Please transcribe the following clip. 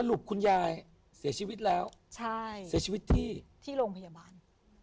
รุปคุณยายเสียชีวิตแล้วใช่เสียชีวิตที่ที่โรงพยาบาล